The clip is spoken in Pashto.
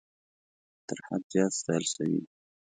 تر حد زیات ستایل سوي دي.